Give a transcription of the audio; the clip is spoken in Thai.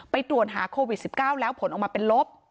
ไปตรวจหาโควิด๑๙แล้วผลออกมาเป็นลบ